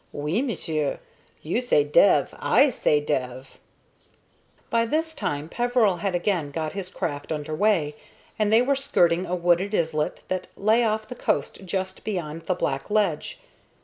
"Oui, m'sieu. You say dev, I say dev." By this time Peveril had again got his craft under way, and they were skirting a wooded islet that lay off the coast just beyond the black ledge.